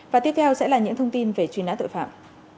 và tiếp theo sẽ là những thông tin về truy nã tội phạm